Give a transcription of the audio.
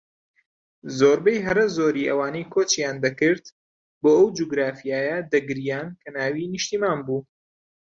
زۆربەی هەرە زۆری ئەوانەی کۆچیان دەکرد بۆ ئەو جوگرافیایە دەگریان کە ناوی نیشتمان بوو